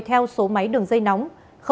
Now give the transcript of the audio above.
theo số máy đường dây nóng